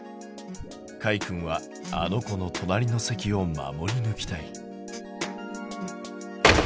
かいくんはあの子の隣の席を守りぬきたい。